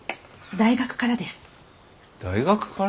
大学から？